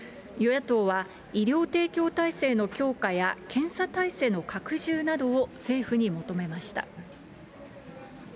与野党は、医療提供体制の強化や検査体制の拡充などを政府に求めました。